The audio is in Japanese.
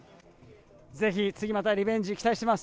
ぜひ次、またリベンジ期待しています。